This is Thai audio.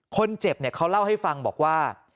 คนเจ็บเขาเล่าให้ฟังบอกว่า